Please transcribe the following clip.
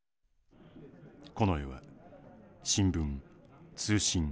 近衛は新聞通信